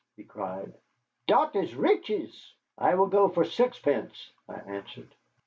he cried, "dot is riches." "I will go for sixpence," I answered.